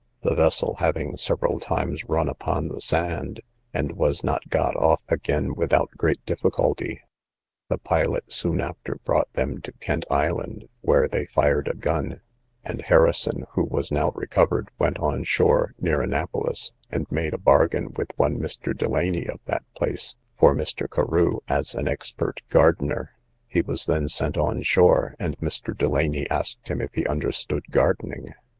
The vessel having several times run upon the sand, and was not got off again without great difficulty; the pilot soon after brought them to Kent island, where they fired a gun, and Harrison, who was now recovered, went on shore, near Annapolis, and made a bargain with one Mr. Delany of that place, for Mr. Carew, as an expert gardener. He was then sent on shore, and Mr. Delany asked him if he understood gardening.